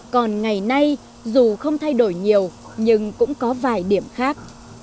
còn ngày nay dù không thay đổi nhiều nhưng cũng có vài điểm khác